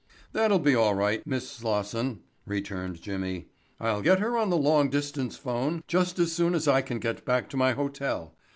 "That'll be all right, Miss Slosson," returned Jimmy. "I'll get her on the long distance phone just as soon as I can get back to my hotel.